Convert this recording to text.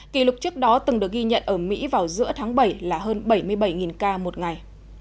kỷ lục trước đó từng được ghi nhận ở mỹ vào giữa tháng bảy là hơn bảy mươi bảy ca một ngày